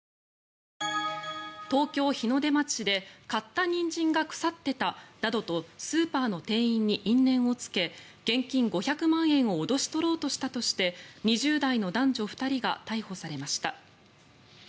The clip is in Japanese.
東京・日の出町で買ったニンジンが腐ってたなどとスーパーの店員に因縁をつけ現金５００万円を脅し取ろうとしたとして２０代の男女２人が逮捕されました。